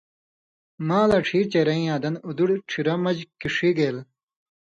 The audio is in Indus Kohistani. مالاں ڇھیرچئی رئیاں دن اُڑُد ڇھیرہ مژ کِݜی گېل